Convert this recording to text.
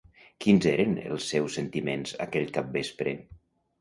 Quins eren els seus sentiments aquell capvespre?